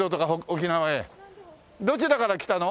どちらから来たの？